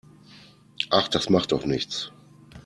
Ach, das macht doch nichts.